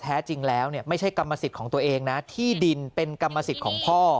แท้จริงแล้วไม่ใช่กรรมสิทธิ์ของตัวเองนะที่ดินเป็นกรรมสิทธิ์ของพ่อ